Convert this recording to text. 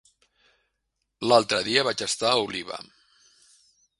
L'altre dia vaig estar a Oliva.